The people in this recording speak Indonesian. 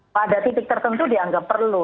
pada titik tertentu dianggap perlu